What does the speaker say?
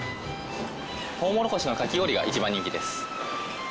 トウモロコシのかき氷が一番人気です。